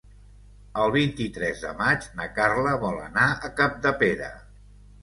El vint-i-tres de maig na Carla vol anar a Capdepera.